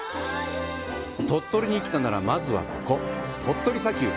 鳥取に来たなら、まずはここ鳥取砂丘。